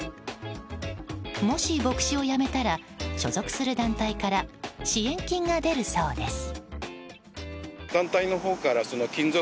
もし牧師を辞めたら所属する団体から支援金が出るそうです。